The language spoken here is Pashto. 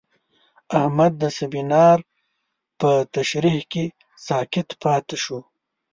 احمد د سمینار په تشریح کې ساکت پاتې شو.